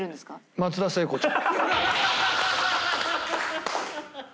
松田聖子ちゃん。